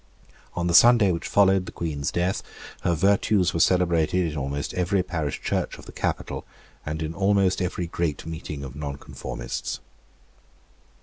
On the Sunday which followed the Queen's death her virtues were celebrated in almost every parish church of the Capital, and in almost every great meeting of nonconformists.